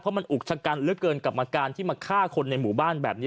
มันอุกชะกันเหลือเกินกรรมการที่มาฆ่าคนในหมู่บ้านแบบนี้